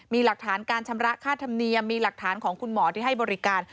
มีหลักฐานการชำระค่าธรรมเนียมมีหลักฐานของคุณหมอที่ให้บริการ